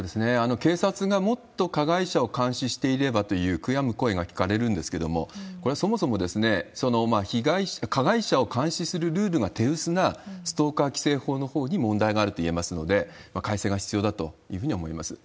警察がもっと加害者を監視していればという悔やむ声が聞かれるんですけれども、これはそもそも、加害者を監視するルールが手薄なストーカー規制法のほうに問題があるといいますので、改正が必要だというふうには思います。